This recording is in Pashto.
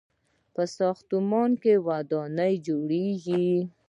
په ساختمان کې ودانۍ جوړیږي.